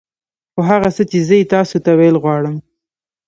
خو هغه څه چې زه يې تاسو ته ويل غواړم.